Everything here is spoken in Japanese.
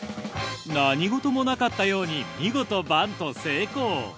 何事もなかったように見事バント成功。